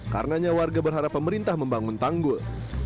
karenanya warga berharap pemerintah membangun tanggul